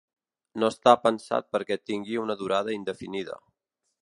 No està pensat perquè tingui una durada indefinida.